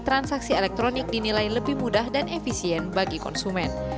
transaksi elektronik dinilai lebih mudah dan efisien bagi konsumen